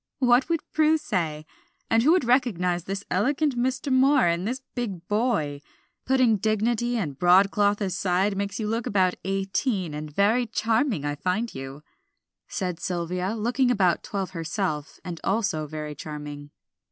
"What would Prue say? and who would recognize the elegant Mr. Moor in this big boy? Putting dignity and broadcloth aside makes you look about eighteen, and very charming I find you," said Sylvia, looking about twelve herself, and also very charming.